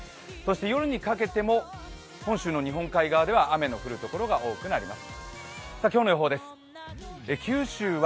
夜にかけても本州の日本海側では雨の降るところが多くなります。